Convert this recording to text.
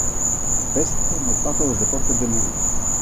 Festa no Pazo dos Deportes de Lugo.